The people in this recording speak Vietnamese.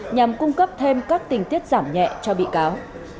nhằm cung cấp thêm các tình tiết giảm nhẹ cho bị cáo